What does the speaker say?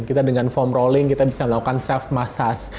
kita dengan form rolling kita bisa melakukan self massage